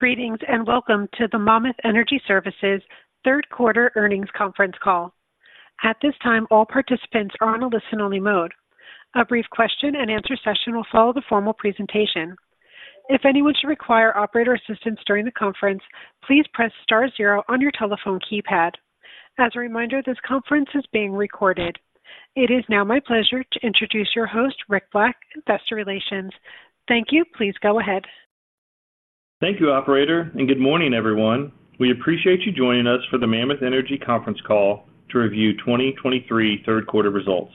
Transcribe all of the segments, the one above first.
Greetings, and welcome to the Mammoth Energy Services Q3 earnings conference call. At this time, all participants are on a listen-only mode. A brief question-and-answer session will follow the formal presentation. If anyone should require operator assistance during the conference, please press star zero on your telephone keypad. As a reminder, this conference is being recorded. It is now my pleasure to introduce your host, Rick Black, Investor Relations. Thank you. Please go ahead. Thank you, operator, and good morning, everyone. We appreciate you joining us for the Mammoth Energy conference call to review 2023 Q3 results.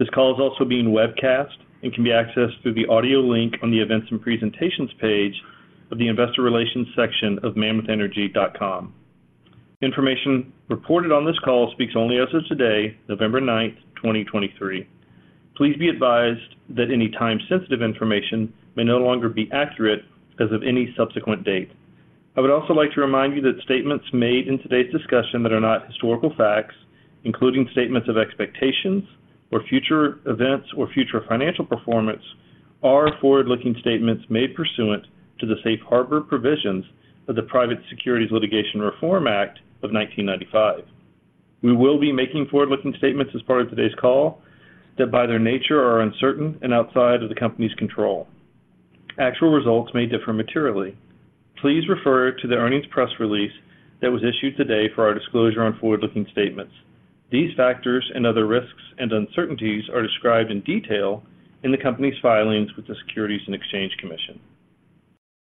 This call is also being webcast and can be accessed through the audio link on the Events and Presentations page of the Investor Relations section of mammothenergy.com. Information reported on this call speaks only as of today, November 9, 2023. Please be advised that any time-sensitive information may no longer be accurate as of any subsequent date. I would also like to remind you that statements made in today's discussion that are not historical facts, including statements of expectations or future events or future financial performance, are forward-looking statements made pursuant to the Safe Harbor Provisions of the Private Securities Litigation Reform Act of 1995. We will be making forward-looking statements as part of today's call that, by their nature, are uncertain and outside of the company's control. Actual results may differ materially. Please refer to the earnings press release that was issued today for our disclosure on forward-looking statements. These factors and other risks and uncertainties are described in detail in the company's filings with the Securities and Exchange Commission.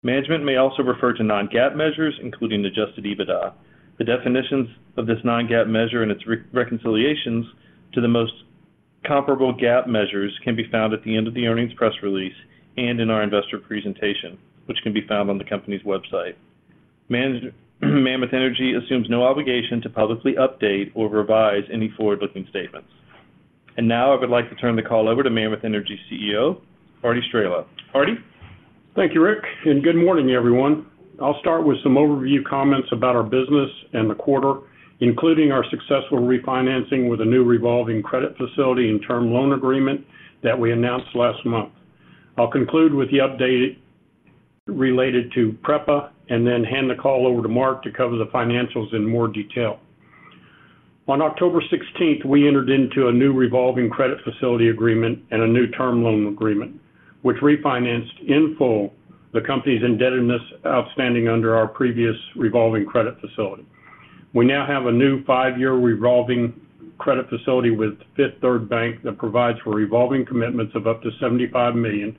Management may also refer to non-GAAP measures, including Adjusted EBITDA. The definitions of this non-GAAP measure and its reconciliations to the most comparable GAAP measures can be found at the end of the earnings press release and in our investor presentation, which can be found on the company's website. Mammoth Energy assumes no obligation to publicly update or revise any forward-looking statements. And now, I would like to turn the call over to Mammoth Energy CEO, Arty Straehla. Arty? Thank you, Rick, and good morning, everyone. I'll start with some overview comments about our business and the quarter, including our successful refinancing with a new revolving credit facility and term loan agreement that we announced last month. I'll conclude with the update related to PREPA, and then hand the call over to Mark to cover the financials in more detail. On October sixteenth, we entered into a new revolving credit facility agreement and a new term loan agreement, which refinanced in full the company's indebtedness outstanding under our previous revolving credit facility. We now have a new five-year revolving credit facility with Fifth Third Bank that provides for revolving commitments of up to $75 million,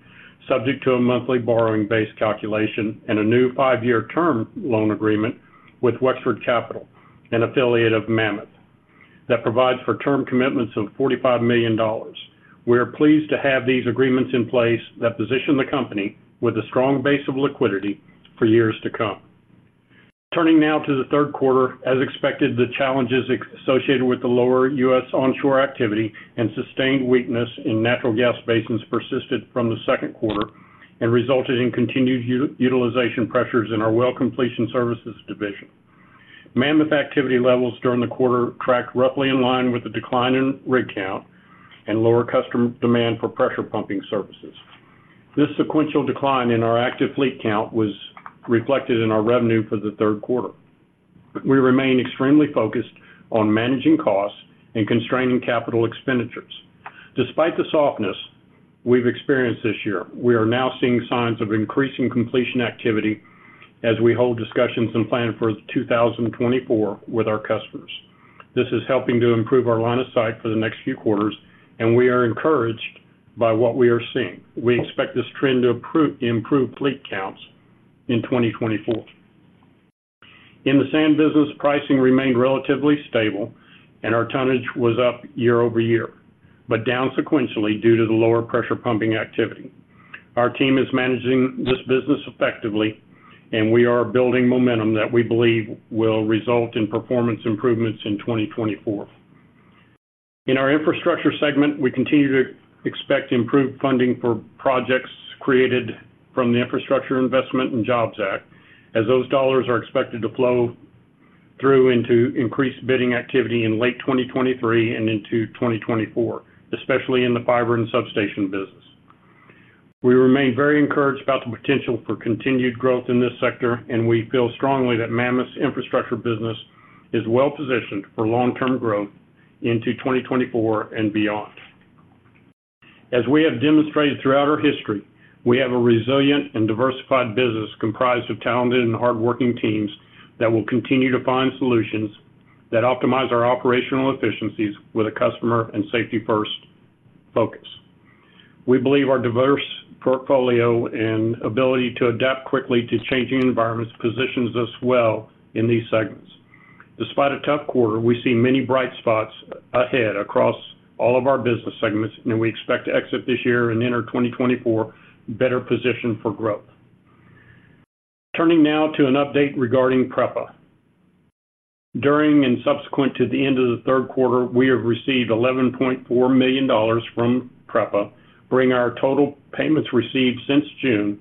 subject to a monthly borrowing base calculation and a new five-year term loan agreement with Wexford Capital, an affiliate of Mammoth, that provides for term commitments of $45 million. We are pleased to have these agreements in place that position the company with a strong base of liquidity for years to come. Turning now to the Q3, as expected, the challenges associated with the lower U.S. onshore activity and sustained weakness in natural gas basins persisted from the Q2 and resulted in continued utilization pressures in our well completion services division. Mammoth activity levels during the quarter tracked roughly in line with the decline in rig count and lower customer demand for pressure pumping services. This sequential decline in our active fleet count was reflected in our revenue for the Q3. We remain extremely focused on managing costs and constraining capital expenditures. Despite the softness we've experienced this year, we are now seeing signs of increasing completion activity as we hold discussions and plan for 2024 with our customers. This is helping to improve our line of sight for the next few quarters, and we are encouraged by what we are seeing. We expect this trend to improve fleet counts in 2024. In the sand business, pricing remained relatively stable, and our tonnage was up year-over-year, but down sequentially due to the lower pressure pumping activity. Our team is managing this business effectively, and we are building momentum that we believe will result in performance improvements in 2024. In our infrastructure segment, we continue to expect improved funding for projects created from the Infrastructure Investment and Jobs Act, as those dollars are expected to flow through into increased bidding activity in late 2023 and into 2024, especially in the fiber and substation business. We remain very encouraged about the potential for continued growth in this sector, and we feel strongly that Mammoth's infrastructure business is well positioned for long-term growth into 2024 and beyond. As we have demonstrated throughout our history, we have a resilient and diversified business comprised of talented and hardworking teams that will continue to find solutions that optimize our operational efficiencies with a customer and safety-first focus. We believe our diverse portfolio and ability to adapt quickly to changing environments positions us well in these segments. Despite a tough quarter, we see many bright spots ahead across all of our business segments, and we expect to exit this year and enter 2024 better positioned for growth. Turning now to an update regarding PREPA. During and subsequent to the end of the Q3, we have received $11.4 million from PREPA, bringing our total payments received since June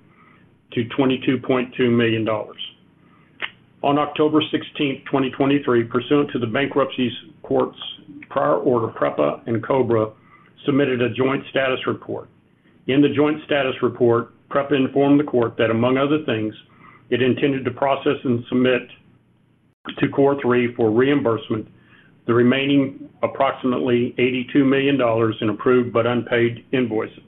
to $22.2 million. On October 16, 2023, pursuant to the bankruptcy court's prior order, PREPA and Cobra submitted a joint status report. In the joint status report, PREPA informed the court that, among other things, it intended to process and submit to COR3 for reimbursement, the remaining approximately $82 million in approved but unpaid invoices.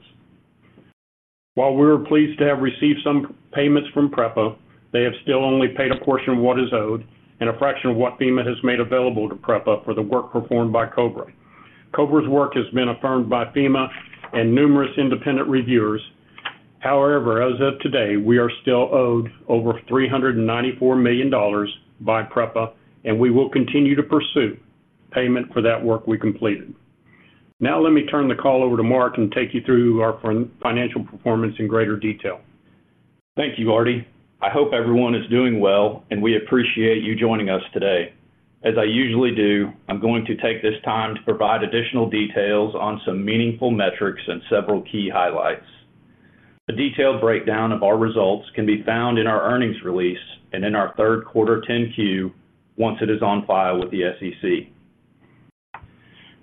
While we were pleased to have received some payments from PREPA, they have still only paid a portion of what is owed and a fraction of what FEMA has made available to PREPA for the work performed by Cobra. Cobra's work has been affirmed by FEMA and numerous independent reviewers. However, as of today, we are still owed over $394 million by PREPA, and we will continue to pursue payment for that work we completed. Now, let me turn the call over to Mark and take you through our financial performance in greater detail. Thank you, Arty. I hope everyone is doing well, and we appreciate you joining us today. As I usually do, I'm going to take this time to provide additional details on some meaningful metrics and several key highlights. A detailed breakdown of our results can be found in our earnings release and in our Q3 10-Q, once it is on file with the SEC.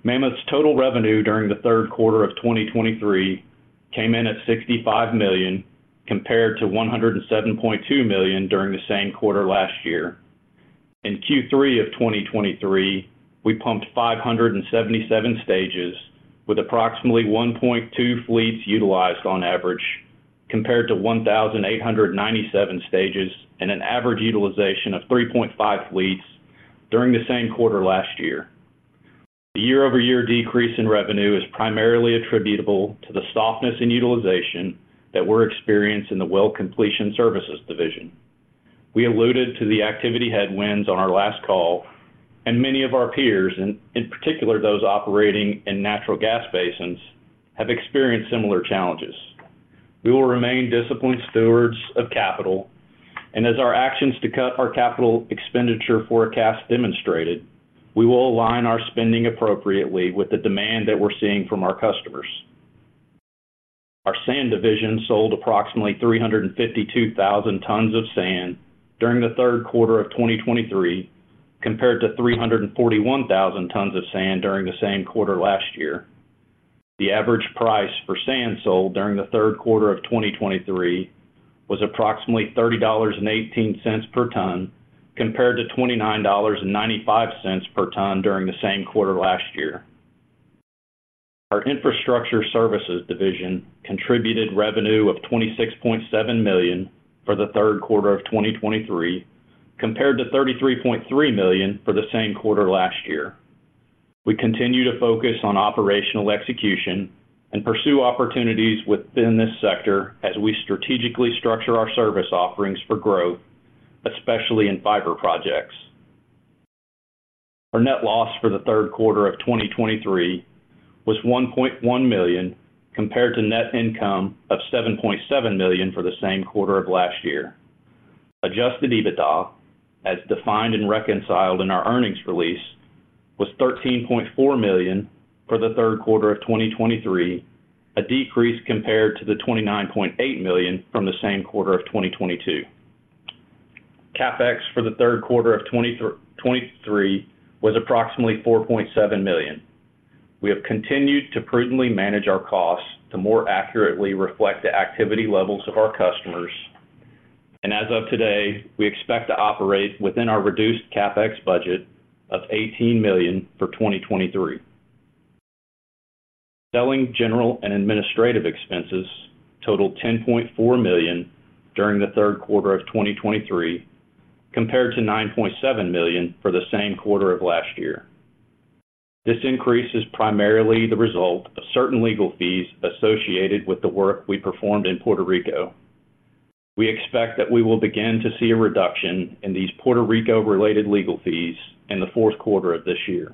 Mammoth's total revenue during the Q3 of 2023 came in at $65 million, compared to $107.2 million during the same quarter last year. In Q3 of 2023, we pumped 577 stages, with approximately 1.2 fleets utilized on average, compared to 1,897 stages and an average utilization of 3.5 fleets during the same quarter last year. The year-over-year decrease in revenue is primarily attributable to the softness in utilization that we're experiencing in the Well Completion Services division. We alluded to the activity headwinds on our last call, and many of our peers, and in particular, those operating in natural gas basins, have experienced similar challenges. We will remain disciplined stewards of capital, and as our actions to cut our capital expenditure forecast demonstrated, we will align our spending appropriately with the demand that we're seeing from our customers. Our sand division sold approximately 352,000 tons of sand during the Q3 of 2023, compared to 341,000 tons of sand during the same quarter last year. The average price for sand sold during the Q3 of 2023 was approximately $30.18 per ton, compared to $29.95 per ton during the same quarter last year. Our infrastructure services division contributed revenue of $26.7 million for the Q3 of 2023, compared to $33.3 million for the same quarter last year. We continue to focus on operational execution and pursue opportunities within this sector as we strategically structure our service offerings for growth, especially in fiber projects. Our net loss for the Q3 of 2023 was $1.1 million, compared to net income of $7.7 million for the same quarter of last year. Adjusted EBITDA, as defined and reconciled in our earnings release, was $13.4 million for the Q3 of 2023, a decrease compared to the $29.8 million from the same quarter of 2022. CapEx for the Q3 of 2023 was approximately $4.7 million. We have continued to prudently manage our costs to more accurately reflect the activity levels of our customers. And as of today, we expect to operate within our reduced CapEx budget of $18 million for 2023. Selling general and administrative expenses totaled $10.4 million during the Q3 of 2023, compared to $9.7 million for the same quarter of last year. This increase is primarily the result of certain legal fees associated with the work we performed in Puerto Rico. We expect that we will begin to see a reduction in these Puerto Rico-related legal fees in the Q4 of this year.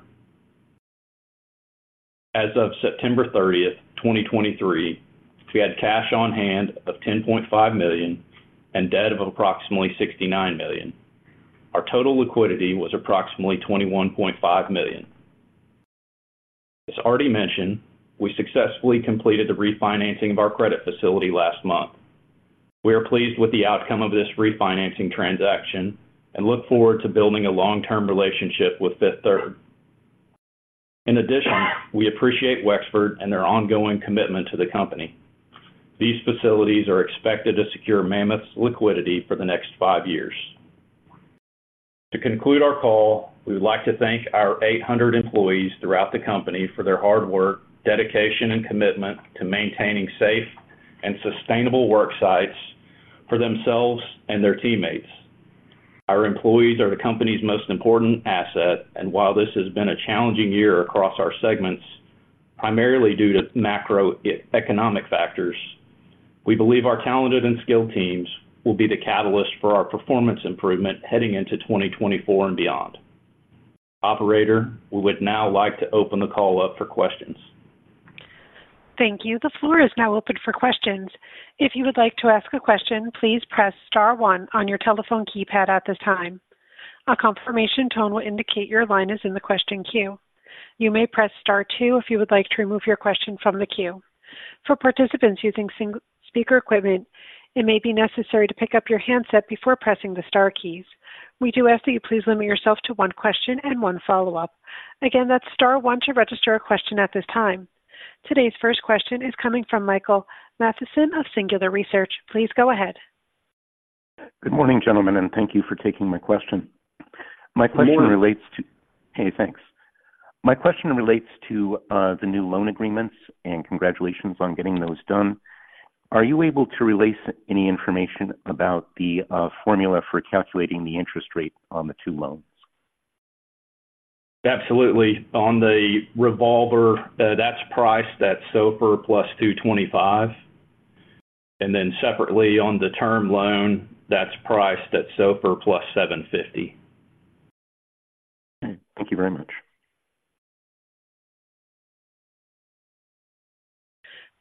As of September 30, 2023, we had cash on hand of $10.5 million and debt of approximately $69 million. Our total liquidity was approximately $21.5 million. As already mentioned, we successfully completed the refinancing of our credit facility last month. We are pleased with the outcome of this refinancing transaction and look forward to building a long-term relationship with Fifth Third. In addition, we appreciate Wexford and their ongoing commitment to the company. These facilities are expected to secure Mammoth's liquidity for the next five years. To conclude our call, we would like to thank our 800 employees throughout the company for their hard work, dedication, and commitment to maintaining safe and sustainable work sites for themselves and their teammates. Our employees are the company's most important asset, and while this has been a challenging year across our segments, primarily due to macroeconomic factors, we believe our talented and skilled teams will be the catalyst for our performance improvement heading into 2024 and beyond. Operator, we would now like to open the call up for questions. Thank you. The floor is now open for questions. If you would like to ask a question, please press star one on your telephone keypad at this time. A confirmation tone will indicate your line is in the question queue. You may press Star two if you would like to remove your question from the queue. For participants using single speaker equipment, it may be necessary to pick up your handset before pressing the star keys. We do ask that you please limit yourself to one question and one follow-up. Again, that's star one to register a question at this time. Today's first question is coming from Michael Matheson of Singular Research. Please go ahead. Good morning, gentlemen, and thank you for taking my question. Good morning. My question relates to. Hey, thanks. My question relates to the new loan agreements, and congratulations on getting those done. Are you able to release any information about the formula for calculating the interest rate on the two loans? Absolutely. On the revolver, that's priced at SOFR plus 225, and then separately on the term loan, that's priced at SOFR plus 750. Thank you very much.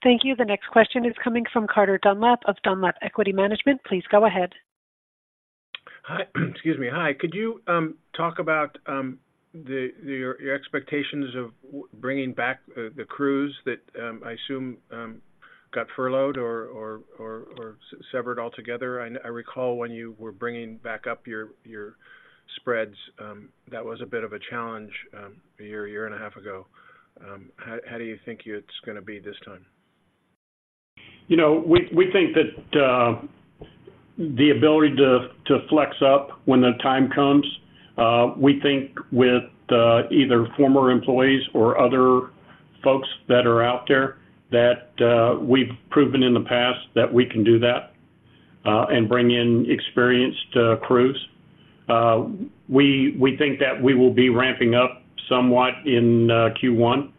Thank you. The next question is coming from Carter Dunlap of Dunlap Equity Management. Please go ahead. Hi. Excuse me. Hi. Could you talk about your expectations of bringing back the crews that I assume got furloughed or severed altogether? I recall when you were bringing back up your spreads, that was a bit of a challenge, a year and a half ago. How do you think it's gonna be this time? You know, we think that the ability to flex up when the time comes, we think with either former employees or other folks that are out there, that we've proven in the past that we can do that and bring in experienced crews. We think that we will be ramping up somewhat in Q1,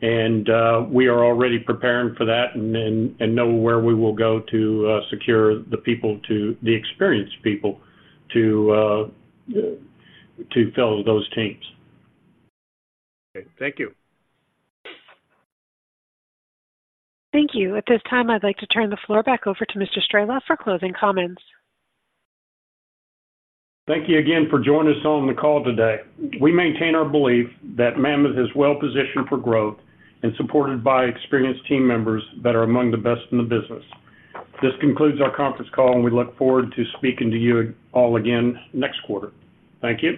and we are already preparing for that and know where we will go to secure the people, the experienced people, to fill those teams. Okay. Thank you. Thank you. At this time, I'd like to turn the floor back over to Mr. Straehla for closing comments. Thank you again for joining us on the call today. We maintain our belief that Mammoth is well positioned for growth and supported by experienced team members that are among the best in the business. This concludes our conference call, and we look forward to speaking to you all again next quarter. Thank you.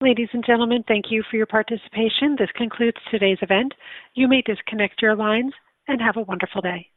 Ladies and gentlemen, thank you for your participation. This concludes today's event. You may disconnect your lines, and have a wonderful day.